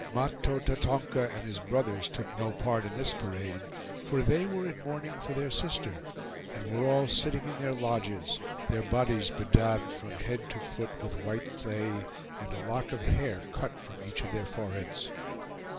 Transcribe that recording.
Mahto Tatonka and his brothers took no part in this parade, for they were in mourning for their sister, and were all sitting in their lodges, their bodies bedaubed from head to foot with white clay, and a lock of hair cut from each of their foreheads.